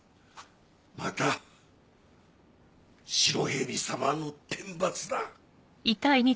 また白蛇様の天罰だ！